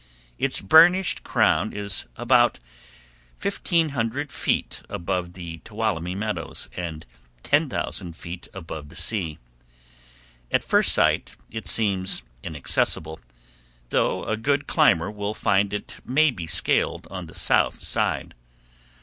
Its burnished crown is about 1500 feet above the Tuolumne Meadows and 10,000 above the sea. At first sight it seems inaccessible, though a good climber will find it may be scaled on the south side.